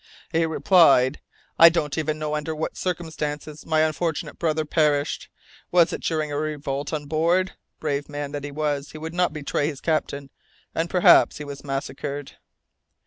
"He replied: 'I don't even know under what circumstances my unfortunate brother perished. Was it during a revolt on board? Brave man that he was, he would not betray his captain, and perhaps he was massacred.'"